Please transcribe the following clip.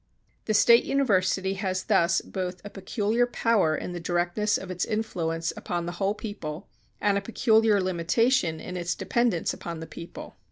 The State University has thus both a peculiar power in the directness of its influence upon the whole people and a peculiar limitation in its dependence upon the people.